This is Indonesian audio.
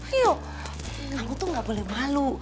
yuk kamu tuh gak boleh malu